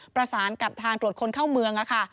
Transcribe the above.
ประสานกับทางตรวจคนเข้าเมืองค่ะ